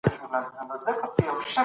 بې طرفي د پوهانو ترمنځ یو منل سوی اصل دی.